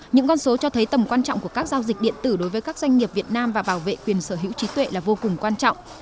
những con số cho thấy tầm quan trọng của các giao dịch điện tử đối với các doanh nghiệp việt nam và bảo vệ quyền sở hữu trí tuệ là vô cùng quan trọng